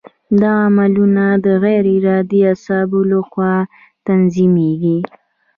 دغه عملونه د غیر ارادي اعصابو له خوا تنظیمېږي.